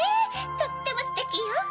とってもステキよ！